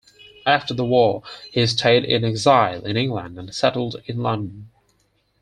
After the war he stayed in exile in England and settled in London.